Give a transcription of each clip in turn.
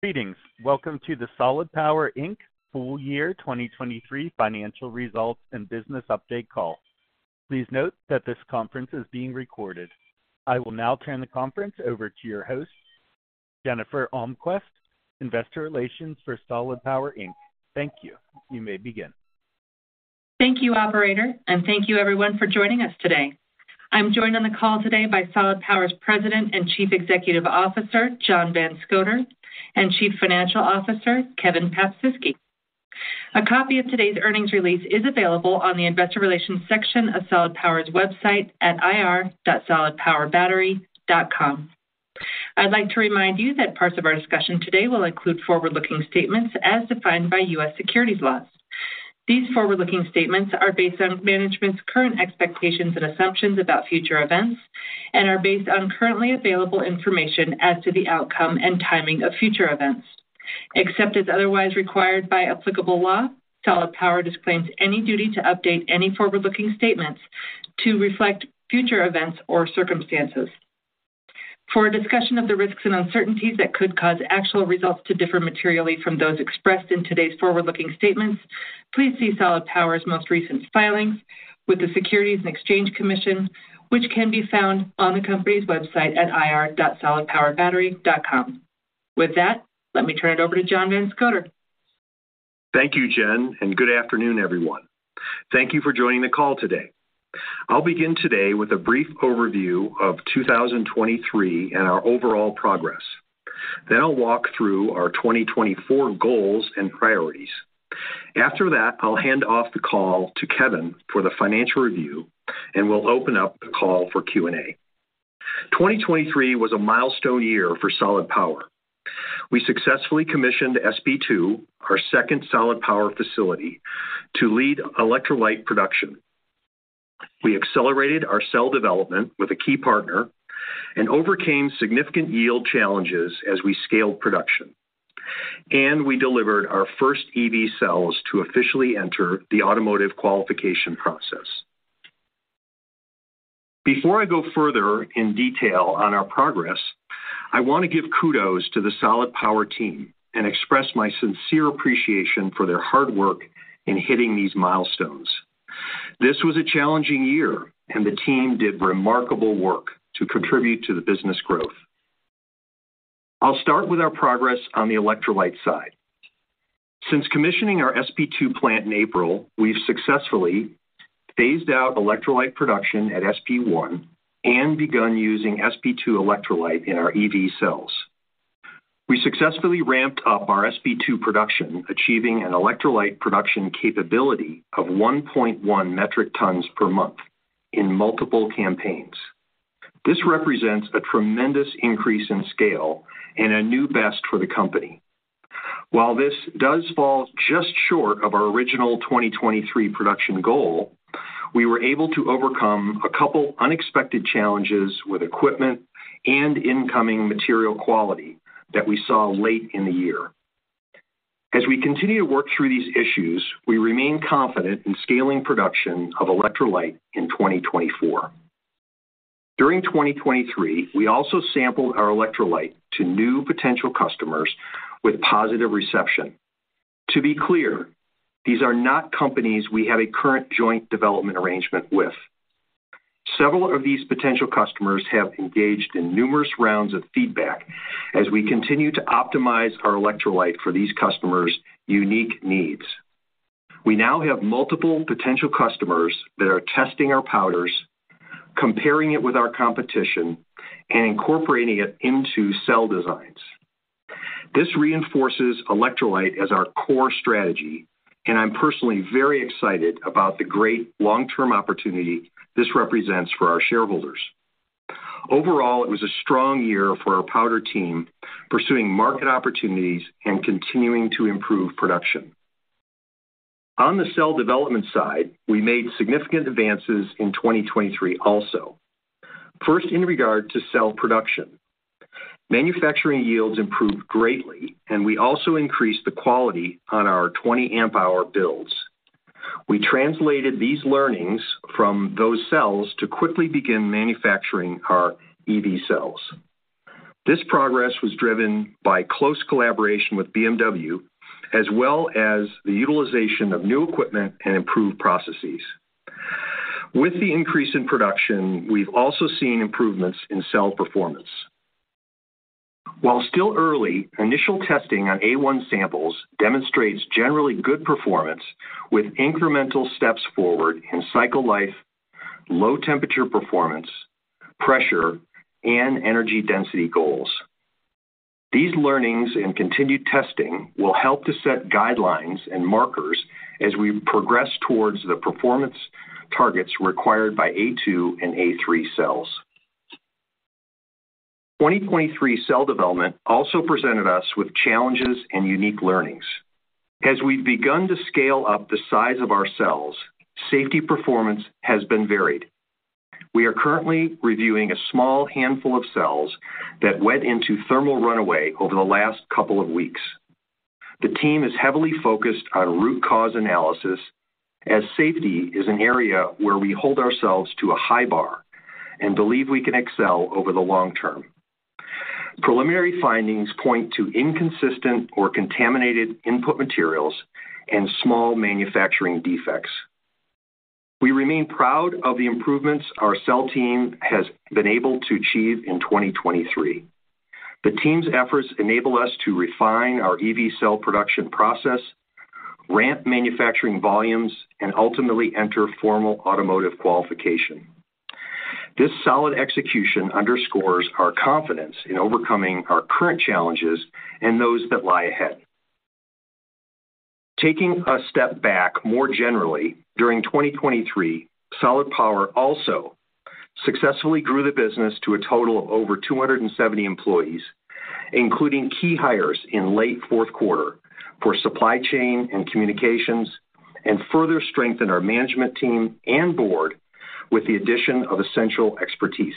Greetings. Welcome to the Solid Power Inc. Full Year 2023 Financial Results and Business Update call. Please note that this conference is being recorded. I will now turn the conference over to your host, Jennifer Almquist, Investor Relations for Solid Power Inc. Thank you. You may begin. Thank you, operator, and thank you, everyone, for joining us today. I'm joined on the call today by Solid Power's President and Chief Executive Officer John Van Scoter and Chief Financial Officer Kevin Paprzycki. A copy of today's earnings release is available on the Investor Relations section of Solid Power's website at ir.solidpowerbattery.com. I'd like to remind you that parts of our discussion today will include forward-looking statements as defined by U.S. securities laws. These forward-looking statements are based on management's current expectations and assumptions about future events and are based on currently available information as to the outcome and timing of future events. Except as otherwise required by applicable law, Solid Power disclaims any duty to update any forward-looking statements to reflect future events or circumstances. For a discussion of the risks and uncertainties that could cause actual results to differ materially from those expressed in today's forward-looking statements, please see Solid Power's most recent filings with the Securities and Exchange Commission, which can be found on the company's website at ir.solidpowerbattery.com. With that, let me turn it over to John Van Scoter. Thank you, Jen, and good afternoon, everyone. Thank you for joining the call today. I'll begin today with a brief overview of 2023 and our overall progress. Then I'll walk through our 2024 goals and priorities. After that, I'll hand off the call to Kevin for the financial review, and we'll open up the call for Q&A. 2023 was a milestone year for Solid Power. We successfully commissioned SP2, our second Solid Power facility, to lead electrolyte production. We accelerated our cell development with a key partner and overcame significant yield challenges as we scaled production. And we delivered our first EV cells to officially enter the automotive qualification process. Before I go further in detail on our progress, I want to give kudos to the Solid Power team and express my sincere appreciation for their hard work in hitting these milestones. This was a challenging year, and the team did remarkable work to contribute to the business growth. I'll start with our progress on the electrolyte side. Since commissioning our SP2 plant in April, we've successfully phased out electrolyte production at SP1 and begun using SP2 electrolyte in our EV cells. We successfully ramped up our SP2 production, achieving an electrolyte production capability of 1.1 metric tons per month in multiple campaigns. This represents a tremendous increase in scale and a new best for the company. While this does fall just short of our original 2023 production goal, we were able to overcome a couple unexpected challenges with equipment and incoming material quality that we saw late in the year. As we continue to work through these issues, we remain confident in scaling production of electrolyte in 2024. During 2023, we also sampled our electrolyte to new potential customers with positive reception. To be clear, these are not companies we have a current joint development arrangement with. Several of these potential customers have engaged in numerous rounds of feedback as we continue to optimize our electrolyte for these customers' unique needs. We now have multiple potential customers that are testing our powders, comparing it with our competition, and incorporating it into cell designs. This reinforces electrolyte as our core strategy, and I'm personally very excited about the great long-term opportunity this represents for our shareholders. Overall, it was a strong year for our powder team pursuing market opportunities and continuing to improve production. On the cell development side, we made significant advances in 2023 also, first in regard to cell production. Manufacturing yields improved greatly, and we also increased the quality on our 20 amp-hour builds. We translated these learnings from those cells to quickly begin manufacturing our EV cells. This progress was driven by close collaboration with BMW as well as the utilization of new equipment and improved processes. With the increase in production, we've also seen improvements in cell performance. While still early, initial testing on A1 samples demonstrates generally good performance with incremental steps forward in cycle life, low temperature performance, pressure, and energy density goals. These learnings and continued testing will help to set guidelines and markers as we progress towards the performance targets required by A2 and A3 cells. 2023 cell development also presented us with challenges and unique learnings. As we've begun to scale up the size of our cells, safety performance has been varied. We are currently reviewing a small handful of cells that went into thermal runaway over the last couple of weeks. The team is heavily focused on root cause analysis as safety is an area where we hold ourselves to a high bar and believe we can excel over the long term. Preliminary findings point to inconsistent or contaminated input materials and small manufacturing defects. We remain proud of the improvements our cell team has been able to achieve in 2023. The team's efforts enable us to refine our EV cell production process, ramp manufacturing volumes, and ultimately enter formal automotive qualification. This solid execution underscores our confidence in overcoming our current challenges and those that lie ahead. Taking a step back more generally, during 2023, Solid Power also successfully grew the business to a total of over 270 employees, including key hires in late fourth quarter for supply chain and communications, and further strengthened our management team and board with the addition of essential expertise.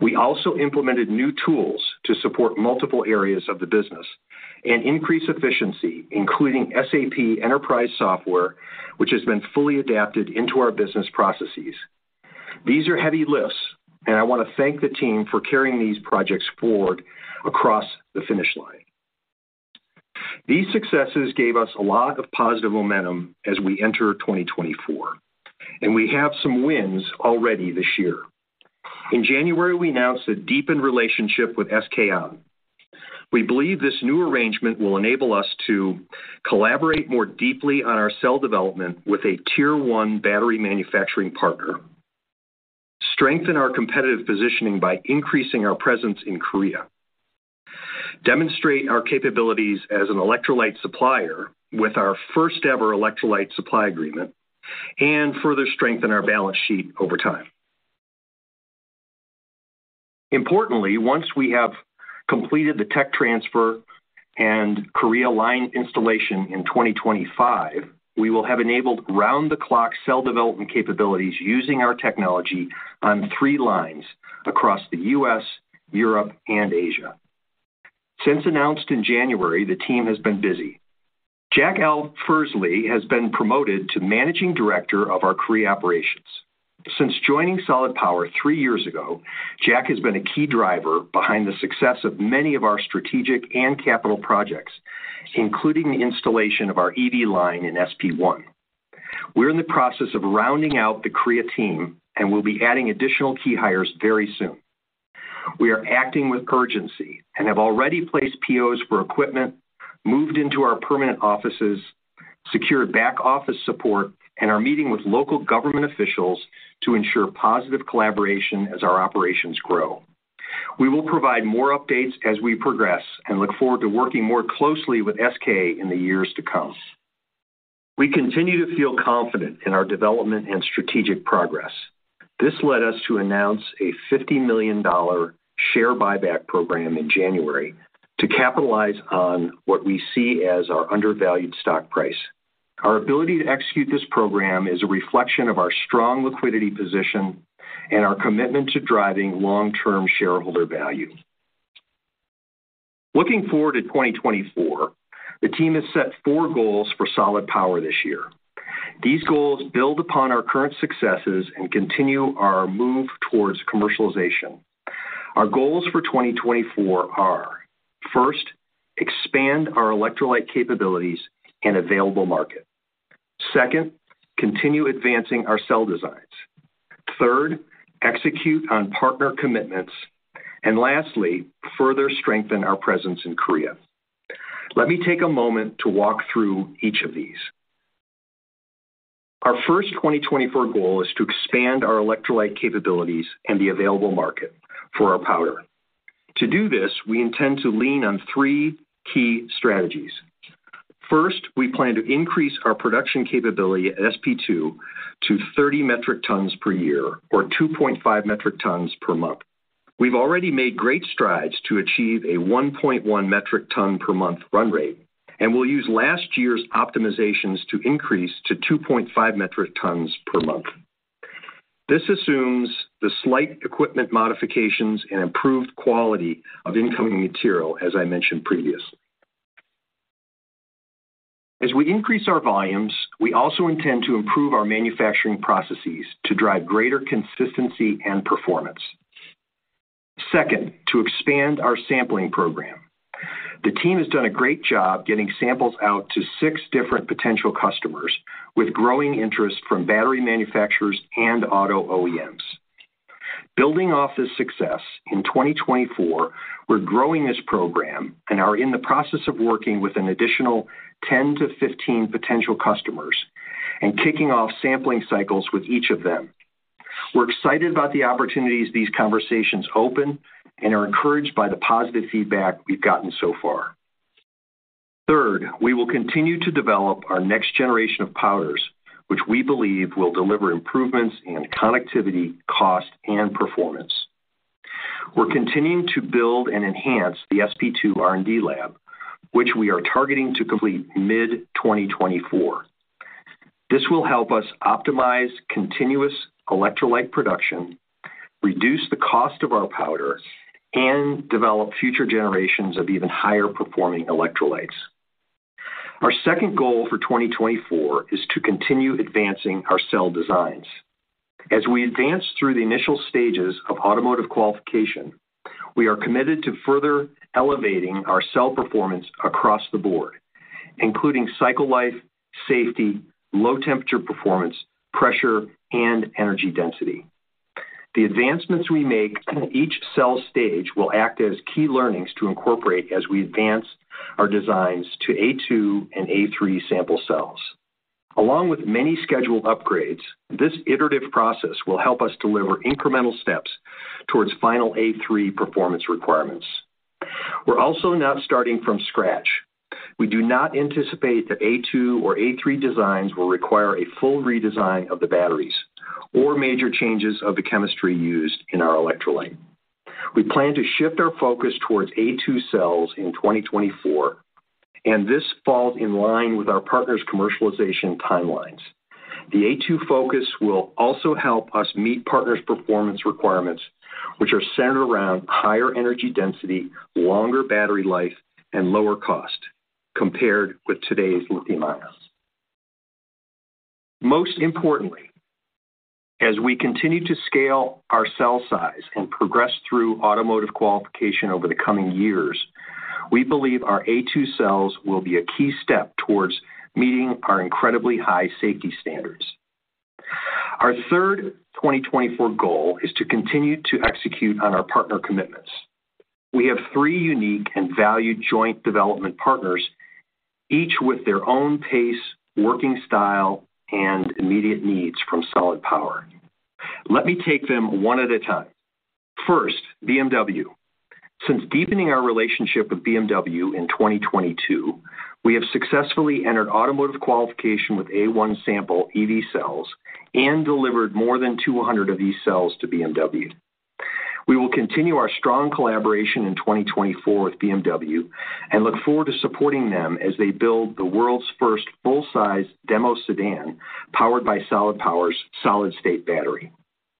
We also implemented new tools to support multiple areas of the business and increase efficiency, including SAP Enterprise software, which has been fully adapted into our business processes. These are heavy lifts, and I want to thank the team for carrying these projects forward across the finish line. These successes gave us a lot of positive momentum as we enter 2024, and we have some wins already this year. In January, we announced a deepened relationship with SK On. We believe this new arrangement will enable us to: collaborate more deeply on our cell development with a Tier 1 battery manufacturing partner. Strengthen our competitive positioning by increasing our presence in Korea. Demonstrate our capabilities as an electrolyte supplier with our first-ever electrolyte supply agreement. And further strengthen our balance sheet over time. Importantly, once we have completed the tech transfer and Korea line installation in 2025, we will have enabled round-the-clock cell development capabilities using our technology on three lines across the U.S., Europe, and Asia. Since announced in January, the team has been busy. Jad Alferzly has been promoted to Managing Director of our Korea operations. Since joining Solid Power three years ago, Jack has been a key driver behind the success of many of our strategic and capital projects, including the installation of our EV line in SP1. We're in the process of rounding out the Korea team and will be adding additional key hires very soon. We are acting with urgency and have already placed POs for equipment, moved into our permanent offices, secured back-office support, and are meeting with local government officials to ensure positive collaboration as our operations grow. We will provide more updates as we progress and look forward to working more closely with SK in the years to come. We continue to feel confident in our development and strategic progress. This led us to announce a $50 million share buyback program in January to capitalize on what we see as our undervalued stock price. Our ability to execute this program is a reflection of our strong liquidity position and our commitment to driving long-term shareholder value. Looking forward to 2024, the team has set four goals for Solid Power this year. These goals build upon our current successes and continue our move towards commercialization. Our goals for 2024 are: first, expand our electrolyte capabilities and available market. Second, continue advancing our cell designs. Third, execute on partner commitments. And lastly, further strengthen our presence in Korea. Let me take a moment to walk through each of these. Our first 2024 goal is to expand our electrolyte capabilities and the available market for our powder. To do this, we intend to lean on three key strategies. First, we plan to increase our production capability at SP2 to 30 metric tons per year or 2.5 metric tons per month. We've already made great strides to achieve a 1.1 metric ton per month run rate, and we'll use last year's optimizations to increase to 2.5 metric tons per month. This assumes the slight equipment modifications and improved quality of incoming material, as I mentioned previously. As we increase our volumes, we also intend to improve our manufacturing processes to drive greater consistency and performance. Second, to expand our sampling program. The team has done a great job getting samples out to 6 different potential customers with growing interest from battery manufacturers and auto OEMs. Building off this success, in 2024, we're growing this program and are in the process of working with an additional 10 potential customers-15 potential customers and kicking off sampling cycles with each of them. We're excited about the opportunities these conversations open and are encouraged by the positive feedback we've gotten so far. Third, we will continue to develop our next generation of powders, which we believe will deliver improvements in connectivity, cost, and performance. We're continuing to build and enhance the SP2 R&D lab, which we are targeting to complete mid-2024. This will help us optimize continuous electrolyte production, reduce the cost of our powder, and develop future generations of even higher-performing electrolytes. Our second goal for 2024 is to continue advancing our cell designs. As we advance through the initial stages of automotive qualification, we are committed to further elevating our cell performance across the board, including cycle life, safety, low temperature performance, pressure, and energy density. The advancements we make in each cell stage will act as key learnings to incorporate as we advance our designs to A2 and A3 sample cells. Along with many scheduled upgrades, this iterative process will help us deliver incremental steps towards final A3 performance requirements. We're also not starting from scratch. We do not anticipate that A2 or A3 designs will require a full redesign of the batteries or major changes of the chemistry used in our electrolyte. We plan to shift our focus towards A2 cells in 2024, and this falls in line with our partner's commercialization timelines. The A2 focus will also help us meet partner's performance requirements, which are centered around higher energy density, longer battery life, and lower cost compared with today's lithium-ion. Most importantly, as we continue to scale our cell size and progress through automotive qualification over the coming years, we believe our A2 cells will be a key step towards meeting our incredibly high safety standards. Our third 2024 goal is to continue to execute on our partner commitments. We have three unique and valued joint development partners, each with their own pace, working style, and immediate needs from Solid Power. Let me take them one at a time. First, BMW. Since deepening our relationship with BMW in 2022, we have successfully entered automotive qualification with A1 sample EV cells and delivered more than 200 of these cells to BMW. We will continue our strong collaboration in 2024 with BMW and look forward to supporting them as they build the world's first full-size demo sedan powered by Solid Power's solid-state battery.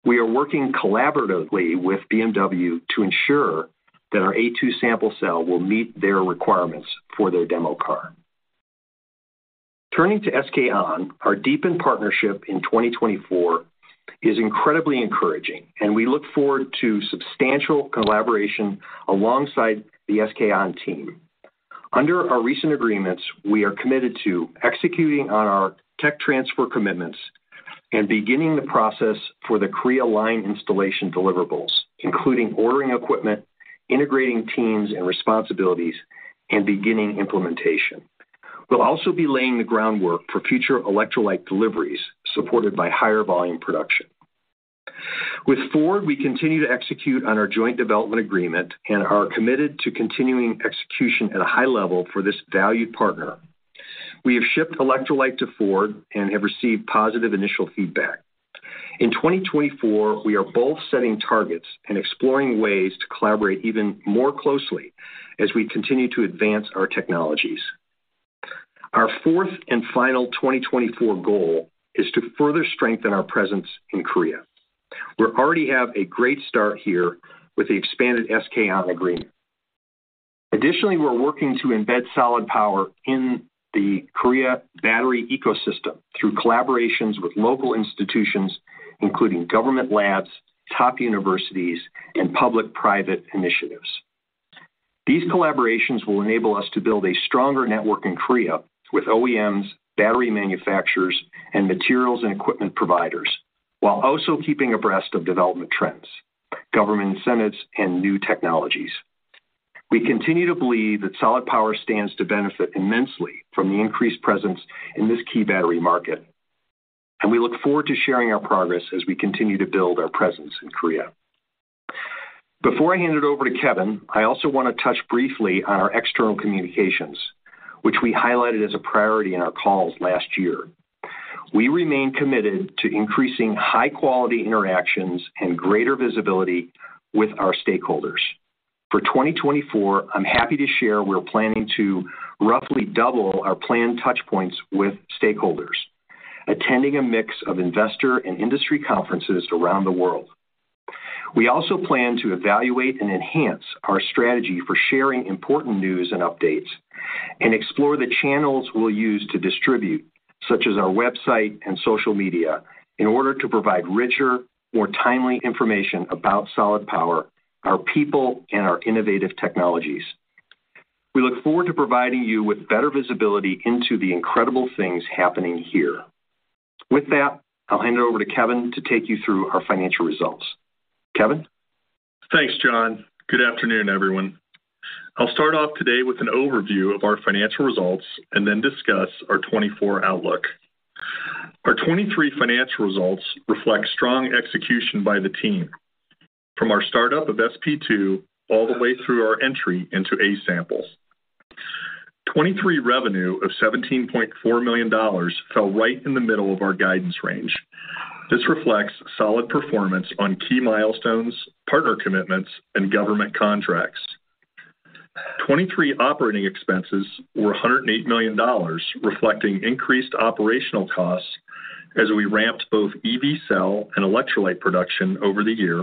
We are working collaboratively with BMW to ensure that our A2 sample cell will meet their requirements for their demo car. Turning to SK On, our deepened partnership in 2024 is incredibly encouraging, and we look forward to substantial collaboration alongside the SK On team. Under our recent agreements, we are committed to executing on our tech transfer commitments and beginning the process for the Korea line installation deliverables, including ordering equipment, integrating teams and responsibilities, and beginning implementation. We'll also be laying the groundwork for future electrolyte deliveries supported by higher volume production. With Ford, we continue to execute on our joint development agreement and are committed to continuing execution at a high level for this valued partner. We have shipped electrolyte to Ford and have received positive initial feedback. In 2024, we are both setting targets and exploring ways to collaborate even more closely as we continue to advance our technologies. Our fourth and final 2024 goal is to further strengthen our presence in Korea. We already have a great start here with the expanded SK On agreement. Additionally, we're working to embed Solid Power in the Korea battery ecosystem through collaborations with local institutions, including government labs, top universities, and public-private initiatives. These collaborations will enable us to build a stronger network in Korea with OEMs, battery manufacturers, and materials and equipment providers, while also keeping abreast of development trends, government incentives, and new technologies. We continue to believe that Solid Power stands to benefit immensely from the increased presence in this key battery market, and we look forward to sharing our progress as we continue to build our presence in Korea. Before I hand it over to Kevin, I also want to touch briefly on our external communications, which we highlighted as a priority in our calls last year. We remain committed to increasing high-quality interactions and greater visibility with our stakeholders. For 2024, I'm happy to share we're planning to roughly double our planned touchpoints with stakeholders, attending a mix of investor and industry conferences around the world. We also plan to evaluate and enhance our strategy for sharing important news and updates, and explore the channels we'll use to distribute, such as our website and social media, in order to provide richer, more timely information about Solid Power, our people, and our innovative technologies. We look forward to providing you with better visibility into the incredible things happening here. With that, I'll hand it over to Kevin to take you through our financial results. Kevin? Thanks, John. Good afternoon, everyone. I'll start off today with an overview of our financial results and then discuss our 2024 outlook. Our 2023 financial results reflect strong execution by the team, from our startup of SP2 all the way through our entry into A samples. 2023 revenue of $17.4 million fell right in the middle of our guidance range. This reflects solid performance on key milestones, partner commitments, and government contracts. 2023 operating expenses were $108 million, reflecting increased operational costs as we ramped both EV cell and electrolyte production over the year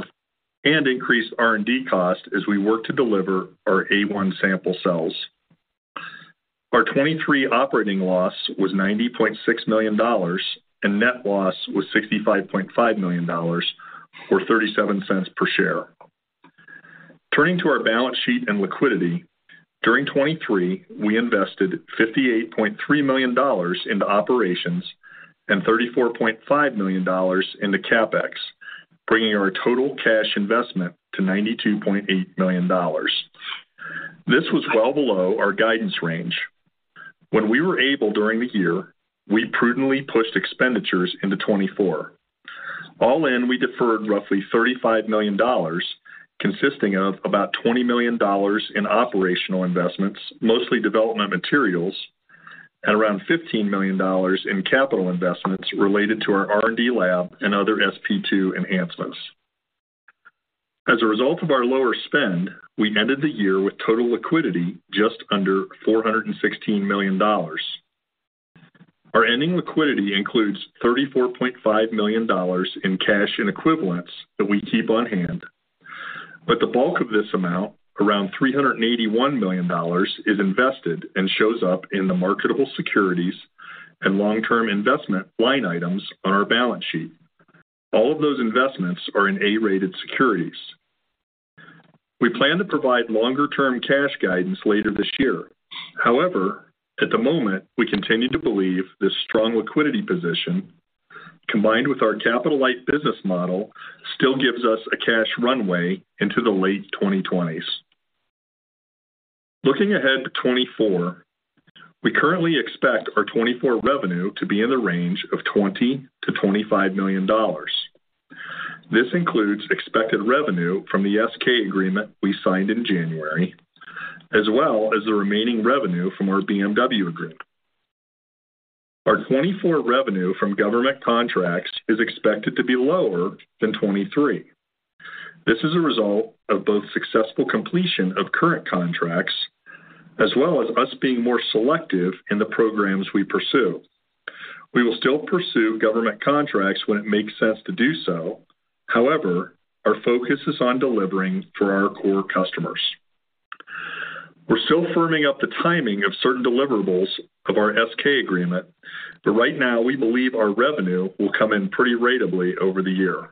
and increased R&D costs as we worked to deliver our A1 sample cells. Our 2023 operating loss was $90.6 million, and net loss was $65.5 million or $0.37 per share. Turning to our balance sheet and liquidity, during 2023, we invested $58.3 million into operations and $34.5 million into Capex, bringing our total cash investment to $92.8 million. This was well below our guidance range. When we were able during the year, we prudently pushed expenditures into 2024. All in, we deferred roughly $35 million, consisting of about $20 million in operational investments, mostly development materials, and around $15 million in capital investments related to our R&D lab and other SP2 enhancements. As a result of our lower spend, we ended the year with total liquidity just under $416 million. Our ending liquidity includes $34.5 million in cash and equivalents that we keep on hand, but the bulk of this amount, around $381 million, is invested and shows up in the marketable securities and long-term investment line items on our balance sheet. All of those investments are in A-rated securities. We plan to provide longer-term cash guidance later this year. However, at the moment, we continue to believe this strong liquidity position, combined with our capital-light business model, still gives us a cash runway into the late 2020s. Looking ahead to 2024, we currently expect our 2024 revenue to be in the range of $20 million-$25 million. This includes expected revenue from the SK agreement we signed in January, as well as the remaining revenue from our BMW agreement. Our 2024 revenue from government contracts is expected to be lower than 2023. This is a result of both successful completion of current contracts, as well as us being more selective in the programs we pursue. We will still pursue government contracts when it makes sense to do so. However, our focus is on delivering for our core customers. We're still firming up the timing of certain deliverables of our SK agreement, but right now, we believe our revenue will come in pretty ratably over the year.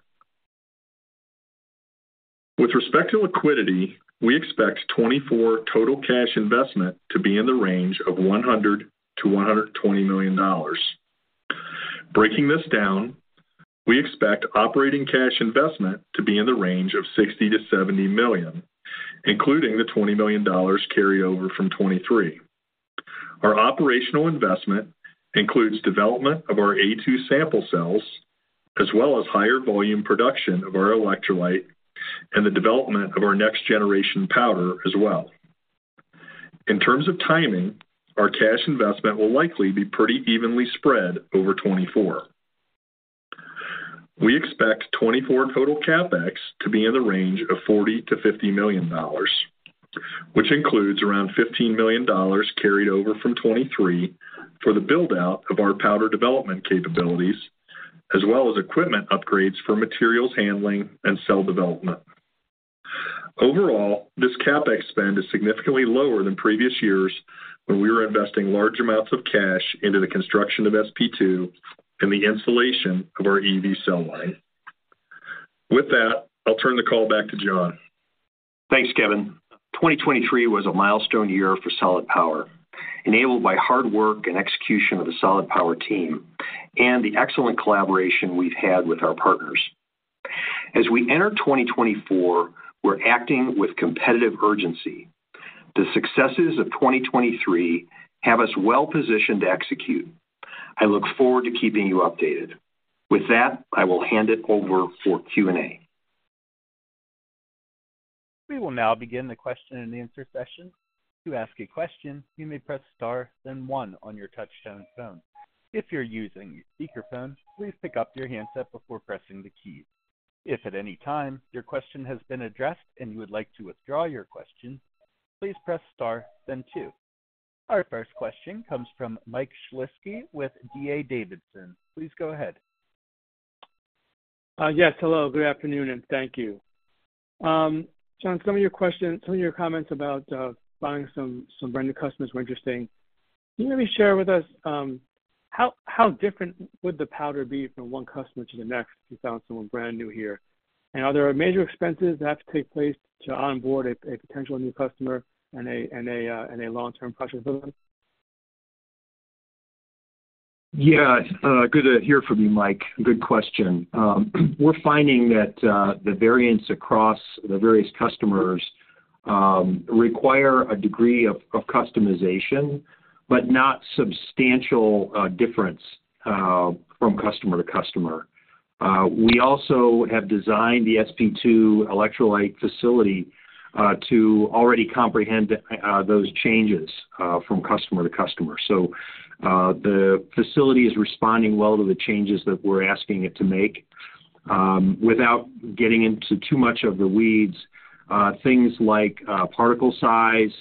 With respect to liquidity, we expect 2024 total cash investment to be in the range of $100 million-$120 million. Breaking this down, we expect operating cash investment to be in the range of $60 million-$70 million, including the $20 million carryover from 2023. Our operational investment includes development of our A2 sample cells, as well as higher volume production of our electrolyte and the development of our next-generation powder as well. In terms of timing, our cash investment will likely be pretty evenly spread over 2024. We expect 2024 total CapEx to be in the range of $40 million-$50 million, which includes around $15 million carried over from 2023 for the buildout of our powder development capabilities, as well as equipment upgrades for materials handling and cell development. Overall, this CapEx spend is significantly lower than previous years when we were investing large amounts of cash into the construction of SP2 and the installation of our EV cell line. With that, I'll turn the call back to John. Thanks, Kevin. 2023 was a milestone year for Solid Power, enabled by hard work and execution of the Solid Power team and the excellent collaboration we've had with our partners. As we enter 2024, we're acting with competitive urgency. The successes of 2023 have us well-positioned to execute. I look forward to keeping you updated. With that, I will hand it over for Q&A. We will now begin the question-and-answer session. To ask a question, you may press star then one on your touchscreen phone. If you're using your speakerphone, please pick up your handset before pressing the keys. If at any time your question has been addressed and you would like to withdraw your question, please press star then two. Our first question comes from Mike Shlisky with D.A. Davidson. Please go ahead. Yes. Hello. Good afternoon, and thank you. John, some of your questions some of your comments about finding some brand new customers were interesting. Can you maybe share with us how different would the powder be from one customer to the next if you found someone brand new here? Are there major expenses that have to take place to onboard a potential new customer and a long-term project with them? Yeah. Good to hear from you, Mike. Good question. We're finding that the variants across the various customers require a degree of customization, but not substantial difference from customer to customer. We also have designed the SP2 electrolyte facility to already comprehend those changes from customer to customer. So the facility is responding well to the changes that we're asking it to make without getting into too much of the weeds. Things like particle size,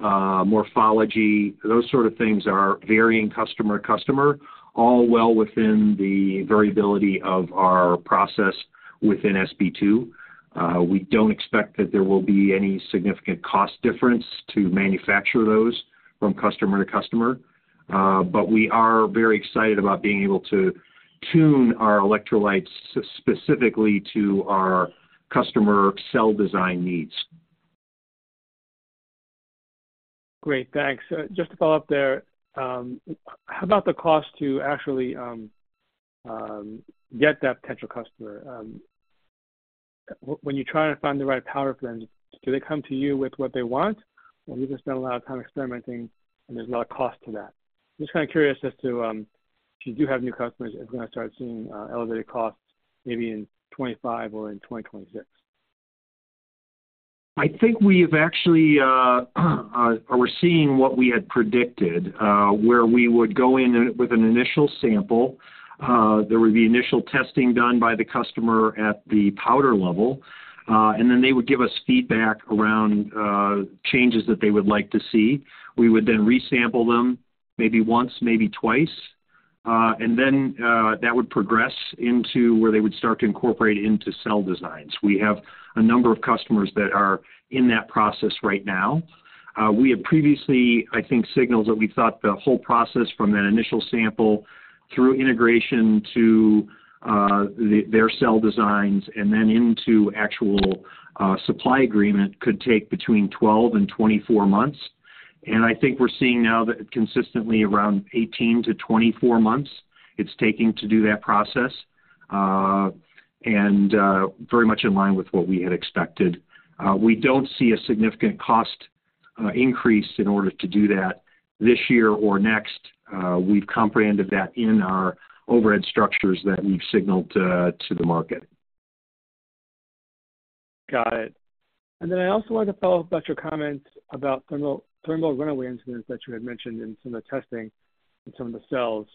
morphology, those sort of things are varying customer to customer, all well within the variability of our process within SP2. We don't expect that there will be any significant cost difference to manufacture those from customer to customer, but we are very excited about being able to tune our electrolytes specifically to our customer cell design needs. Great. Thanks. Just to follow up there, how about the cost to actually get that potential customer? When you try to find the right powder plans, do they come to you with what they want? And you've spent a lot of time experimenting, and there's a lot of cost to that. I'm just kind of curious as to if you do have new customers, if you're going to start seeing elevated costs maybe in 2025 or in 2026. I think actually, we're seeing what we had predicted, where we would go in with an initial sample. There would be initial testing done by the customer at the powder level, and then they would give us feedback around changes that they would like to see. We would then resample them maybe once, maybe twice, and then that would progress into where they would start to incorporate into cell designs. We have a number of customers that are in that process right now. We have previously, I think, signaled that we thought the whole process from that initial sample through integration to their cell designs and then into actual supply agreement could take between 12 months and 24 months. I think we're seeing now that consistently around 18 months-24 months it's taking to do that process, and very much in line with what we had expected. We don't see a significant cost increase in order to do that this year or next. We've comprehended that in our overhead structures that we've signaled to the market. Got it. And then I also wanted to follow up about your comments about thermal runaway incidents that you had mentioned in some of the testing in some of the cells.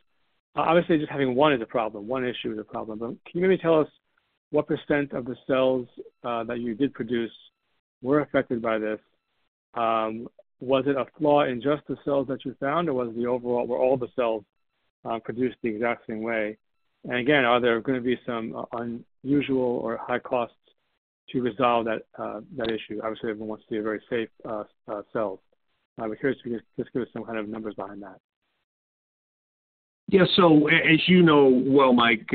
Obviously, just having one is a problem. One issue is a problem. But can you maybe tell us what % of the cells that you did produce were affected by this? Was it a flaw in just the cells that you found, or were all the cells produced the exact same way? And again, are there going to be some unusual or high costs to resolve that issue? Obviously, everyone wants to be very safe cells. I'm curious if you could just give us some kind of numbers behind that. Yeah. So as you know well, Mike,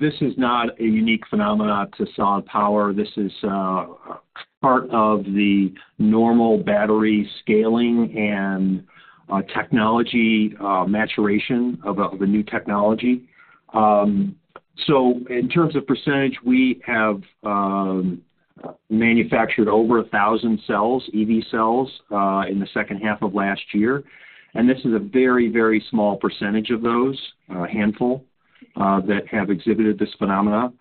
this is not a unique phenomena to Solid Power. This is part of the normal battery scaling and technology maturation of a new technology. So in terms of percentage, we have manufactured over 1,000 cells, EV cells, in the second half of last year. And this is a very, very small percentage of those, a handful, that have exhibited this phenomena.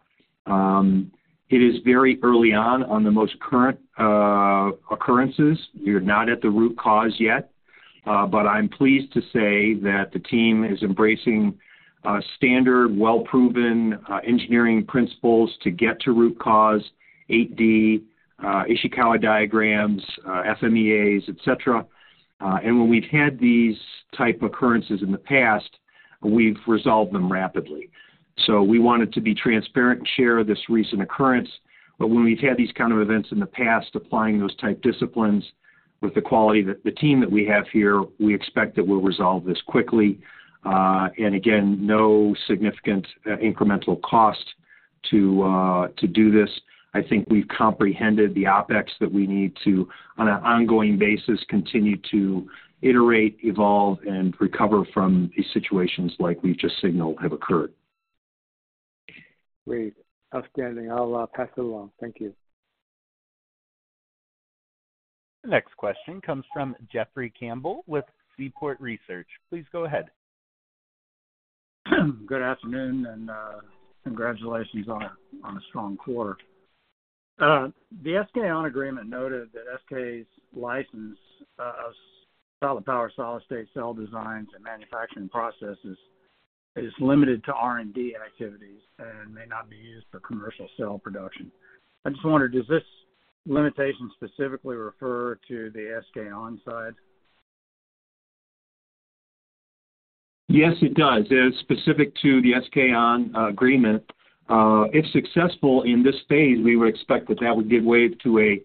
It is very early on the most current occurrences. We're not at the root cause yet. But I'm pleased to say that the team is embracing standard, well-proven engineering principles to get to root cause: 8D, Ishikawa diagrams, FMEAs, etc. And when we've had these type occurrences in the past, we've resolved them rapidly. So we wanted to be transparent and share this recent occurrence. But when we've had these kind of events in the past, applying those type disciplines with the quality of the team that we have here, we expect that we'll resolve this quickly. And again, no significant incremental cost to do this. I think we've comprehended the Opex that we need to, on an ongoing basis, continue to iterate, evolve, and recover from these situations like we've just signaled have occurred. Great. Outstanding. I'll pass it along. Thank you. Next question comes from Jeffrey Campbell with Seaport Research. Please go ahead. Good afternoon, and congratulations on a strong quarter. The SK On agreement noted that SK's license of Solid Power solid-state cell designs and manufacturing processes is limited to R&D activities and may not be used for commercial cell production. I just wondered, does this limitation specifically refer to the SK On side? Yes, it does. It is specific to the SK On agreement. If successful in this phase, we would expect that that would give way to a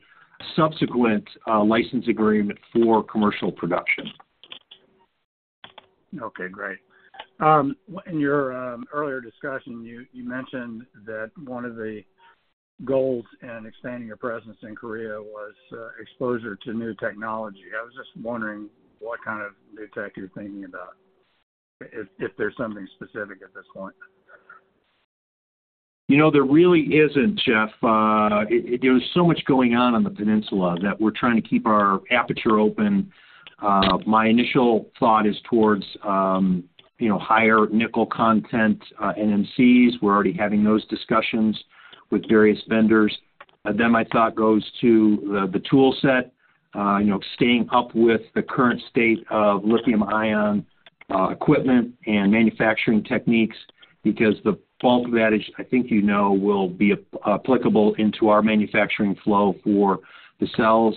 subsequent license agreement for commercial production. Okay. Great. In your earlier discussion, you mentioned that one of the goals in expanding your presence in Korea was exposure to new technology. I was just wondering what kind of new tech you're thinking about, if there's something specific at this point. There really isn't, Jeff. There's so much going on on the peninsula that we're trying to keep our aperture open. My initial thought is towards higher nickel content NMCs. We're already having those discussions with various vendors. Then my thought goes to the toolset, staying up with the current state of lithium-ion equipment and manufacturing techniques because the bulk of that, as I think you know, will be applicable into our manufacturing flow for the cells.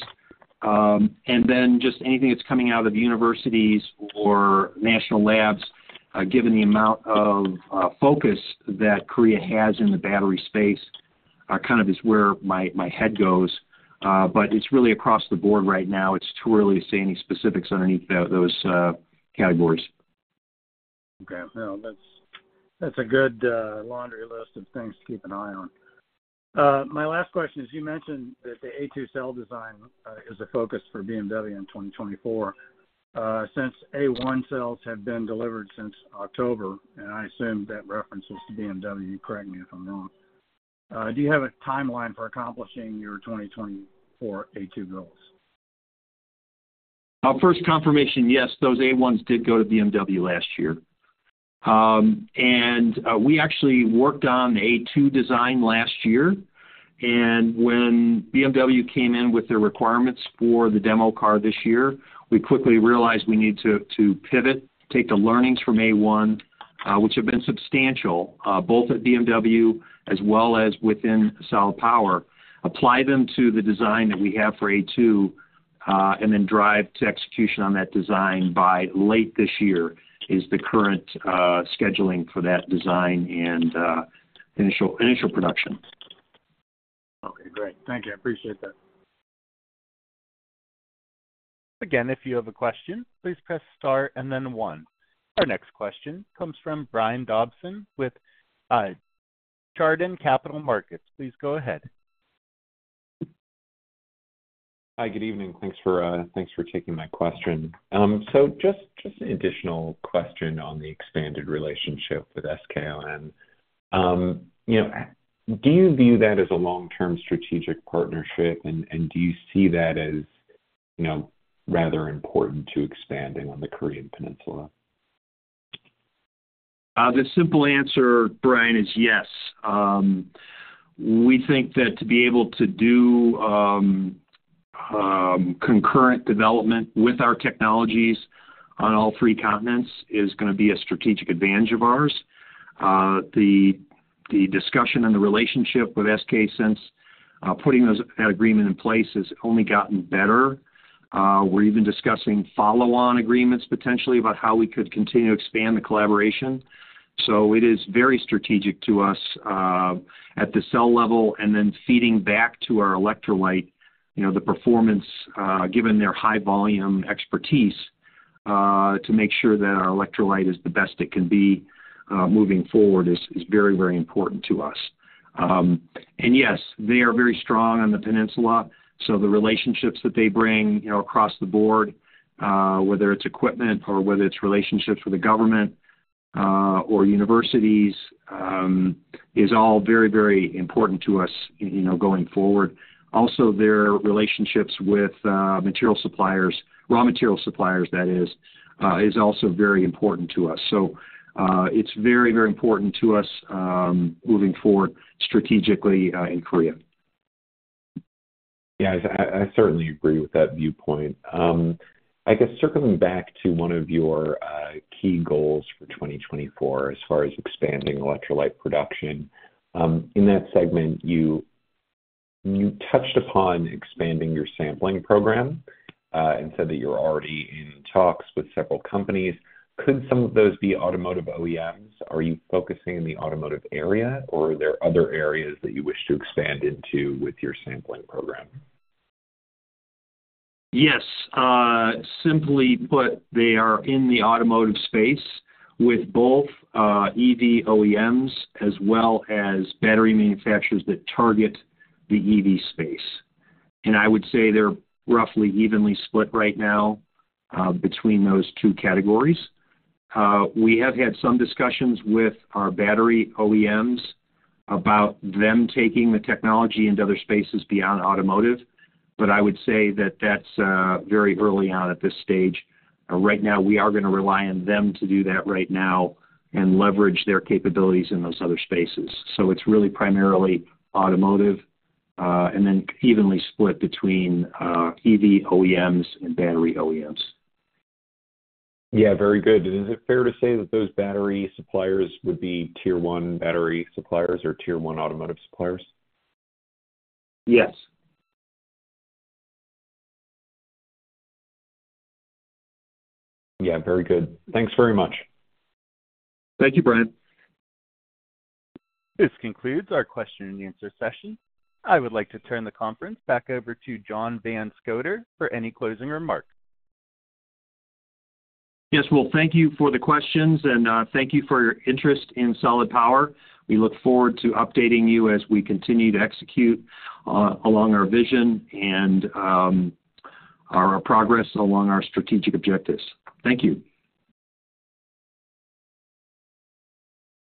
And then just anything that's coming out of universities or national labs, given the amount of focus that Korea has in the battery space, kind of is where my head goes. But it's really across the board right now. It's too early to say any specifics underneath those categories. Okay. No. That's a good laundry list of things to keep an eye on. My last question is, you mentioned that the A2 cell design is a focus for BMW in 2024. Since A1 cells have been delivered since October, and I assume that reference was to BMW. You correct me if I'm wrong. Do you have a timeline for accomplishing your 2024 A2 goals? First confirmation, yes. Those A1s did go to BMW last year. We actually worked on the A2 design last year. When BMW came in with their requirements for the demo car this year, we quickly realized we need to pivot, take the learnings from A1, which have been substantial, both at BMW as well as within Solid Power, apply them to the design that we have for A2, and then drive to execution on that design by late this year, is the current scheduling for that design and initial production. Okay. Great. Thank you. I appreciate that. Again, if you have a question, please press star and then one. Our next question comes from Brian Dobson with Chardan Capital Markets. Please go ahead. Hi. Good evening. Thanks for taking my question. Just an additional question on the expanded relationship with SK On. Do you view that as a long-term strategic partnership, and do you see that as rather important to expanding on the Korean Peninsula? The simple answer, Brian, is yes. We think that to be able to do concurrent development with our technologies on all three continents is going to be a strategic advantage of ours. The discussion and the relationship with SK since putting that agreement in place has only gotten better. We're even discussing follow-on agreements, potentially, about how we could continue to expand the collaboration. So it is very strategic to us at the cell level and then feeding back to our electrolyte the performance, given their high-volume expertise, to make sure that our electrolyte is the best it can be moving forward is very, very important to us. And yes, they are very strong on the peninsula. So the relationships that they bring across the board, whether it's equipment or whether it's relationships with the government or universities, is all very, very important to us going forward. Also, their relationships with raw materials suppliers, that is, is also very important to us. So it's very, very important to us moving forward strategically in Korea. Yeah. I certainly agree with that viewpoint. I guess circling back to one of your key goals for 2024 as far as expanding electrolyte production, in that segment, you touched upon expanding your sampling program and said that you're already in talks with several companies. Could some of those be automotive OEMs? Are you focusing in the automotive area, or are there other areas that you wish to expand into with your sampling program? Yes. Simply put, they are in the automotive space with both EV OEMs as well as battery manufacturers that target the EV space. I would say they're roughly evenly split right now between those two categories. We have had some discussions with our battery OEMs about them taking the technology into other spaces beyond automotive, but I would say that that's very early on at this stage. Right now, we are going to rely on them to do that right now and leverage their capabilities in those other spaces. It's really primarily automotive and then evenly split between EV OEMs and battery OEMs. Yeah. Very good. And is it fair to say that those battery suppliers would be Tier 1 battery suppliers or Tier 1 automotive suppliers? Yes. Yeah. Very good. Thanks very much. Thank you, Brian. This concludes our question and answer session. I would like to turn the conference back over to John Van Scoter for any closing remarks. Yes. Well, thank you for the questions, and thank you for your interest in Solid Power. We look forward to updating you as we continue to execute along our vision and our progress along our strategic objectives. Thank you.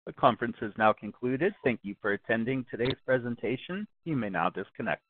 The conference is now concluded. Thank you for attending today's presentation. You may now disconnect.